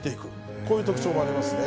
こういう特徴もありますね。